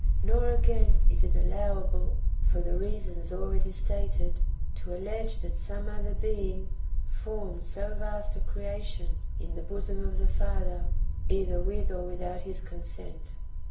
Nor, again, is it allowable, for the reasons^ already stated, to allege that some other being formed so vast a creation in the bosom of the Father, either with or without His consent.